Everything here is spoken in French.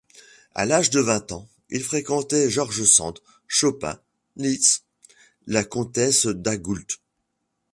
A l'âge de vingt ans, il fréquentait Georges Sand, Chopin, Liszt, la comtesse d'Agoult.